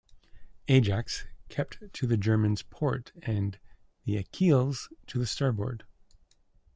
"Ajax" kept to the German's port and the "Achilles" to the starboard.